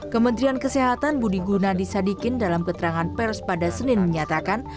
kementerian kesehatan budi gunadisadikin dalam keterangan pers pada senin menyatakan